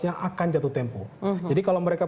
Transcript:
yang akan jatuh tempo jadi kalau mereka